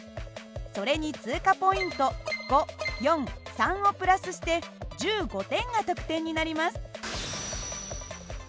それに通過ポイント５４３をプラスして１５点が得点になります。